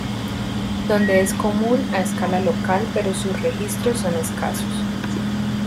Donde es común a escala local pero sus registros son escasos.